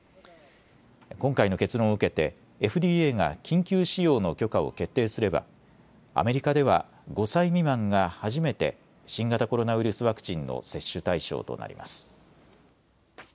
今回の結論を受けてＦＤＡが緊急使用の許可を決定すればアメリカでは５歳未満が初めて新型コロナウイルスワクチンの接種対象となります。